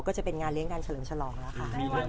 ก็จะเป็นงานเลี้ยงการเฉลิมฉลองแล้วค่ะ